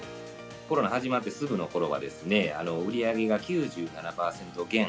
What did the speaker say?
コロナ始まってすぐのころは、売り上げが９７％減。